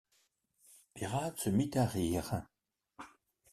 Peyrade se mit à rire.